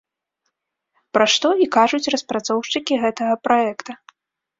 Пра што і кажуць распрацоўшчыкі гэтага праекта.